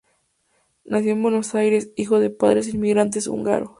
Nació en Buenos Aires, hijo de padres inmigrantes húngaros.